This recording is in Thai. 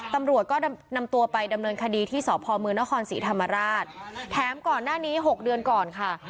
ตำรวจก็นำตัวไปดำเนินคดีที่สพมนครศรีธรรมราชแถมก่อนหน้านี้๖เดือนก่อนค่ะ